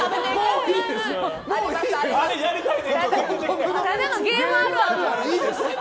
ただのゲームあるある。